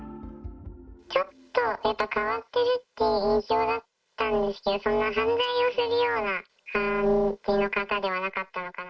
ちょっと変わってるっていう印象だったんですけど、そんな犯罪をするような感じの方ではなかったのかな。